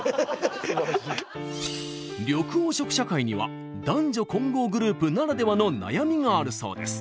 緑黄色社会には男女混合グループならではの悩みがあるそうです。